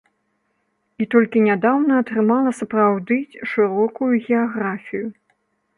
І толькі нядаўна атрымала сапраўды шырокую геаграфію.